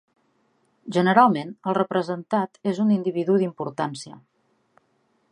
Generalment, el representat és un individu d'importància.